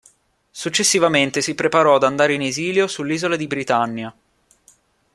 Successivamente si preparò ad andare in esilio sull'isola di Britannia.